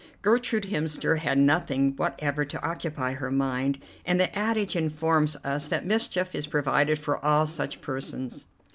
Gertrude Hemster had nothing whatever to occupy her mind, and the adage informs us that mischief is provided for all such persons.